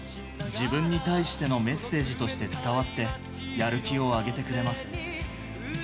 自分に対してのメッセージとして伝わって、やる気を上げてくれます。